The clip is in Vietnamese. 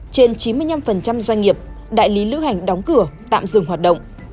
trên chín mươi năm doanh nghiệp đại lý lữ hành đóng cửa tạm dừng hoạt động